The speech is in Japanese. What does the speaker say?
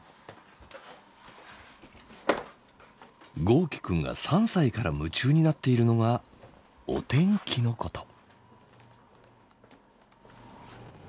豪輝くんが３歳から夢中になっているのがお天気のこと。